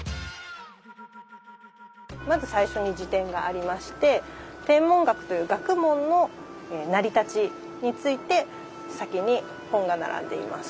まず最初に辞典がありまして天文学という学問の成り立ちについて先に本が並んでいます。